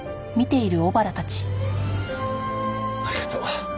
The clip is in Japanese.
ありがとう。